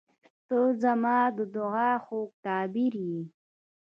• ته زما د دعا خوږ تعبیر یې.